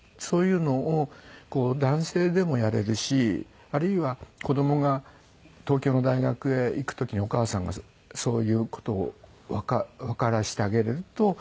そういうのを男性でもやれるしあるいは子供が東京の大学へ行く時にお母さんがそういう事をわからせてあげると。